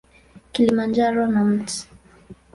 Kilimanjaro na Mt.